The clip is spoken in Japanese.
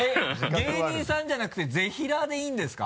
芸人さんじゃなくてぜひらーでいいんですか？